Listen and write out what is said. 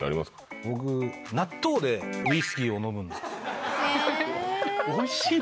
僕、納豆でウイスキーを飲むおいしいの？